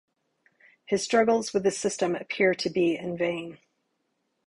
His struggles with the system appear to be in vain.